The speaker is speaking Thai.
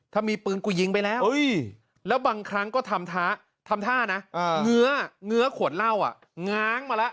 ถ้ามีปืนกูยิงไปแล้วแล้วบางครั้งก็ทำท่านะเงื้อขวดเหล้าง้างมาแล้ว